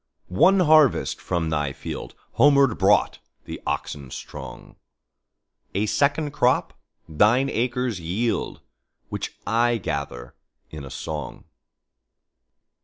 One harvest from thy fieldHomeward brought the oxen strong;A second crop thine acres yield, Which I gather in a song.